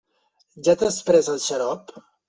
Ja t'has pres el xarop?